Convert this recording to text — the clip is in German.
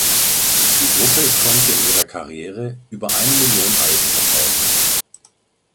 Die Gruppe konnte in ihrer Karriere über eine Million Alben verkaufen.